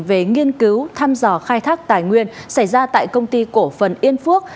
về nghiên cứu thăm dò khai thác tài nguyên xảy ra tại công ty cổ phần yên phước